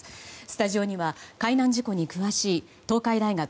スタジオには海難事故に詳しい東海大学